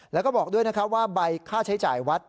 แล้วก็บอกด้วยนะครับว่าใบค่าใช้จ่ายวัด